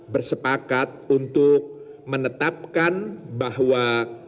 bersepakat untuk menetapkan bahwa